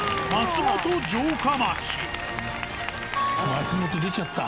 松本出ちゃった。